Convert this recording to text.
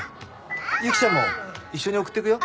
雪ちゃんも一緒に送ってくよ。